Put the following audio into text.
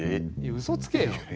うそつけよ。